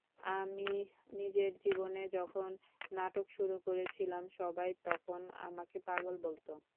আমি নিজের জীবনে যখন নাটক শুরু করেছিলাম, সবাই তখন আমাকে পাগল বলত।